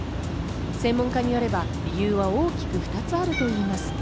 専門家によれば、理由は大きく２つあるといいます。